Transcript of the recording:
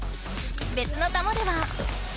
別の玉では。